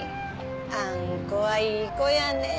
あん子はいい子やねぇ。